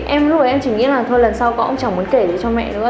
cái em lúc ấy em chỉ nghĩ là thôi lần sau cậu cũng chẳng muốn kể gì cho mẹ nữa